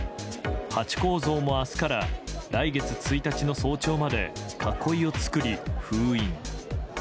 ハチ公像も明日から来月１日の早朝まで囲いを作り封印。